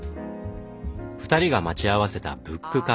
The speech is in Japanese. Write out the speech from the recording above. ２人が待ち合わせたブックカフェ。